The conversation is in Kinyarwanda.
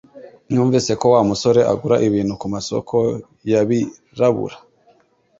Numvise ko Wa musore agura ibintu kumasoko yabirabura